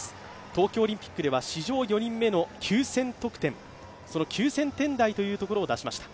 東京オリンピックでは史上４人目の９０００得点、９０００点台を出しました。